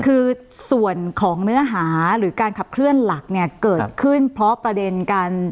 คือส่วนของเนื้อหาหรือการขับเคลื่อนหลักเนี่ยเกิดขึ้นเพราะประเด็นการ